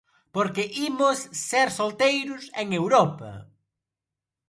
Porque imos ser solteiros en Europa